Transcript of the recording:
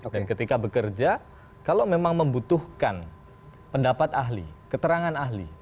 dan ketika bekerja kalau memang membutuhkan pendapat ahli keterangan ahli